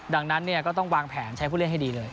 ดังนั้นก็ต้องวางแผนใช้ผู้เล่นให้ดีเลย